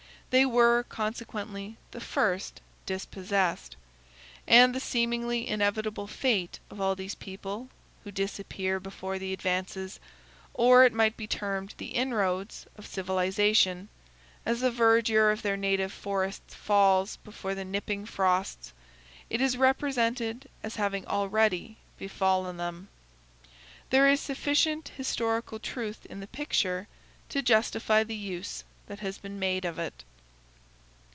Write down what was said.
They were, consequently, the first dispossessed; and the seemingly inevitable fate of all these people, who disappear before the advances, or it might be termed the inroads, of civilization, as the verdure of their native forests falls before the nipping frosts, is represented as having already befallen them. There is sufficient historical truth in the picture to justify the use that has been made of it.